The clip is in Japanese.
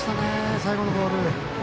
最後のボール。